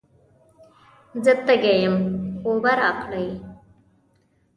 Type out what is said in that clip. زه تږی یم، اوبه راکئ.